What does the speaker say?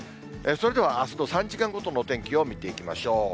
それでは、あすの３時間ごとのお天気を見ていきましょう。